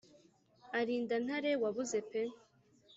arinda ntare wabuze pe